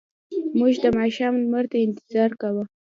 موږ د ماښام لمر ته انتظار کاوه.